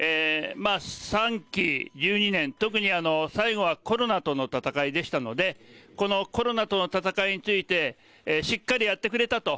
３期１２年、特に最後はコロナとの戦いでしたのでこのコロナとの戦いについてしっかりやってくれたと。